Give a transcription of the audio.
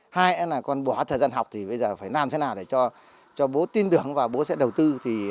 hai là con bỏ thời gian học thì bây giờ phải làm thế nào để cho bố tin tưởng và bố sẽ đầu tư